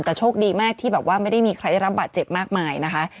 แต่โชคดีมากที่แบบว่าไม่ได้มีใครได้รับบาดเจ็บมากมายนะคะ